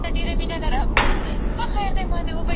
پوهه د ټولنې سترګې دي.